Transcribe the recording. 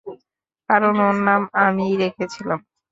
কারণ ওর নাম আমিই রেখেছিলাম।